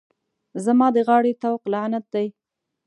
زما د غاړې طوق لعنت دی.